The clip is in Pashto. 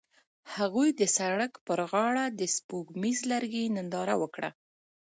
هغوی د سړک پر غاړه د سپوږمیز لرګی ننداره وکړه.